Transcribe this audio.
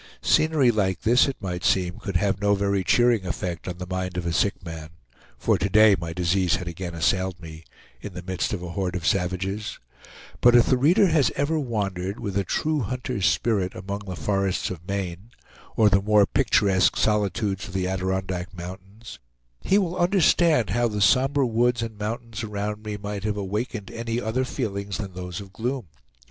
Scenery like this, it might seem, could have no very cheering effect on the mind of a sick man (for to day my disease had again assailed me) in the midst of a horde of savages; but if the reader has ever wandered, with a true hunter's spirit, among the forests of Maine, or the more picturesque solitudes of the Adirondack Mountains, he will understand how the somber woods and mountains around me might have awakened any other feelings than those of gloom.